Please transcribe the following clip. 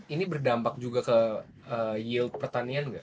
ini berdampak juga ke yield pertanian nggak